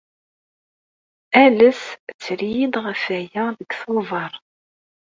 Ales tter-iyi-d ɣef waya deg Tubeṛ.